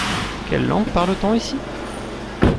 Quelle langue parle-t-on ici ?